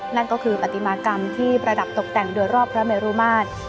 นั่นก็คือปฏิมากรรมที่ประดับตกแต่งโดยรอบพระเมรุมาตร